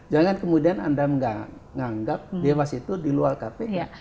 jangan kemudian anda menganggap dewas itu di luar kpk